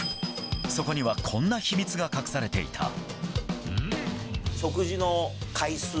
そこにはこんな秘密が隠されていた。